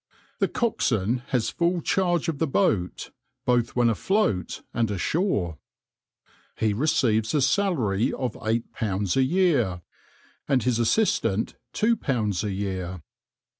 The coxswain has full charge of the boat, both when afloat and ashore. He receives a salary of £8 a year, and his assistant £2 a year.